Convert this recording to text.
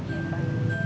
ya makasih bu